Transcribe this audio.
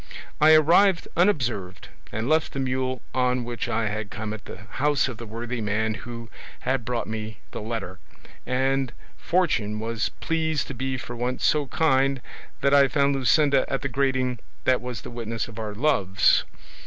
I arrived unobserved, and left the mule on which I had come at the house of the worthy man who had brought me the letter, and fortune was pleased to be for once so kind that I found Luscinda at the grating that was the witness of our loves.